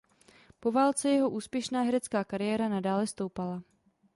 Po válce jeho úspěšná herecká kariéra nadále stoupala.